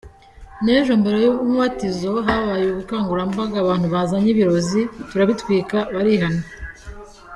N’ejo mbere y’umubatizo habaye ubukangurambaga abantu bazana ibirozi turabitwika, barihana”.